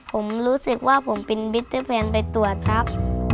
ผมรู้สึกว่าผมเป็นมิเตอร์แฟนไปตรวจครับ